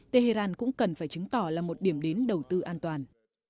tehran cũng cần phải chứng tỏ là một điểm đến đầu tư an toàn